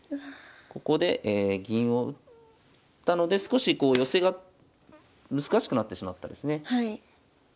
ここで銀を打ったので少し寄せが難しくなってしまったですね。